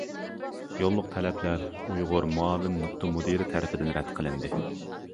يوللۇق تەلەپلەر ئۇيغۇر مۇئاۋىن نۇقتا مۇدىرى تەرىپىدىن رەت قىلىندى.